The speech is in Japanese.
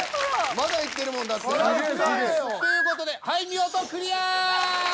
まだいってるもんだって。という事ではい見事クリア！